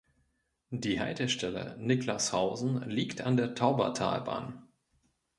Die Haltestelle "Niklashausen" liegt an der Taubertalbahn.